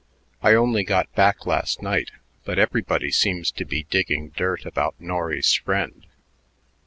"I only got back last night, but everybody seems to be digging dirt about Norry's friend.